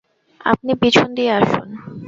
আপনি পিছন দিয়ে আসুন।